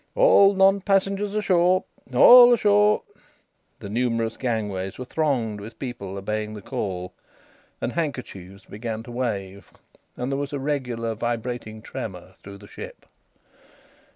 "All non passengers ashore! All ashore!" The numerous gangways were thronged with people obeying the call, and handkerchiefs began to wave. And there was a regular vibrating tremor through the ship.